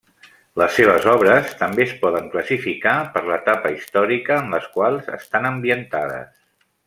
Les seves obres també es poden classificar per l'etapa històrica en les quals estan ambientades.